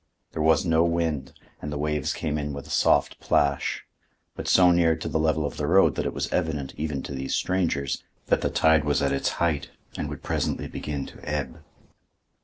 There was no wind and the waves came in with a soft plash, but so near to the level of the road that it was evident, even to these strangers, that the tide was at its height and would presently begin to ebb.